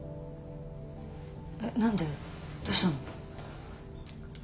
え何でどうしたの？